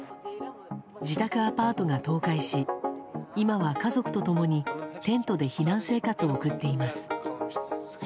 自宅アパートが倒壊し今は家族と共にテントで避難生活を送っています。